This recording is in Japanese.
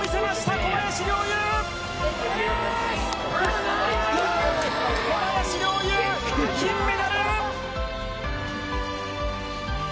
小林陵侑、金メダル！